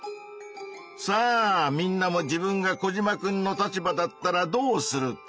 さあみんなも自分がコジマくんの立場だったらどうするか？